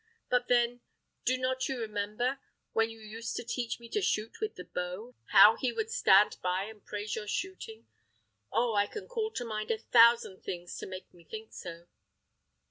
And then, do not you remember, when you used to teach me to shoot with the bow, how he would stand by and praise your shooting? Oh! I can call to mind a thousand things to make me think so."